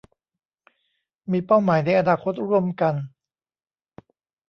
มีเป้าหมายในอนาคตร่วมกัน